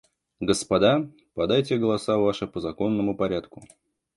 Господа, подайте голоса ваши по законному порядку.